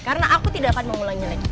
karena aku tidak akan mengulangi lagi